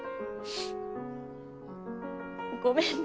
ごめんね。